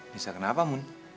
nisa kenapa mun